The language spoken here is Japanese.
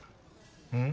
うん？